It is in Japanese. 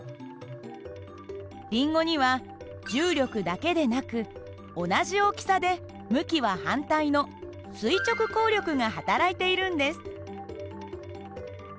りんごには重力だけなく同じ大きさで向きは反対の垂直抗力がはたらいているんです。